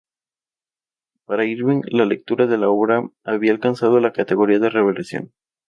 Para Irving la lectura de la obra había alcanzado la categoría de revelación.